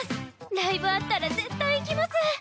ライブあったら絶対行きます！